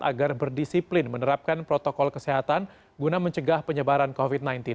agar berdisiplin menerapkan protokol kesehatan guna mencegah penyebaran covid sembilan belas